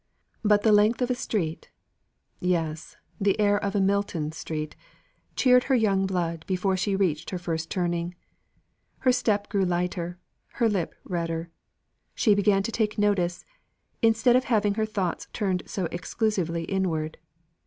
But the length of a street yes, the air of a Milton Street cheered her young blood before she reached her first turning. Her step grew lighter, her lip redder. She began to take notice, instead of having her thoughts turned so exclusively inward.